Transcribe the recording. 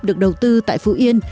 được đầu tư tại phụ yên